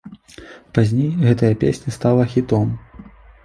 Пазней гэтая песня стала хітом.